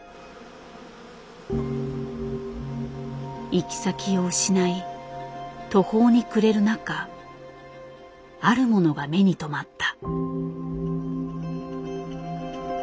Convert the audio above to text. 行き先を失い途方に暮れる中あるものが目に留まった。